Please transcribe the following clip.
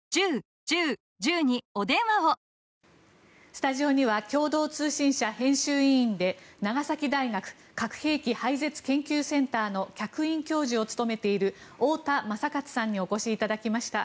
スタジオには共同通信社編集委員で長崎大学核兵器廃絶研究センターの客員教授を務めている太田昌克さんにお越しいただきました。